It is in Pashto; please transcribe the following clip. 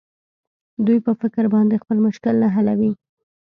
دوى په فکر باندې خپل مشکل نه حلوي.